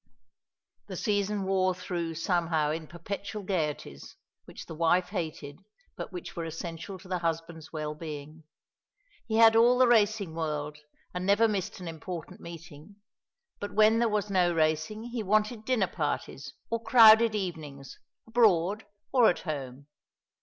The season wore through somehow in perpetual gaieties which the wife hated, but which were essential to the husband's well being. He had all the racing world, and never missed an important meeting; but when there was no racing he wanted dinner parties, or crowded evenings, abroad or at home.